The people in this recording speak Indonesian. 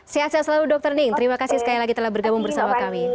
sehat sehat selalu dr ning terima kasih sekali lagi telah bergabung bersama kami